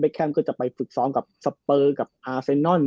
เบคแคมจะไปฝึกซ้อมกับสเปอร์อาร์เซนนอน